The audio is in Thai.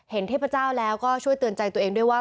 เทพเจ้าแล้วก็ช่วยเตือนใจตัวเองด้วยว่า